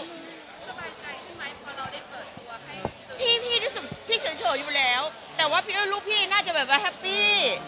สบายใจขึ้นไหมพอเราได้เปิดตัวให้พี่รู้สึกพี่เฉยอยู่แล้วแต่ว่าพี่ว่าลูกพี่น่าจะแบบว่าแฮปปี้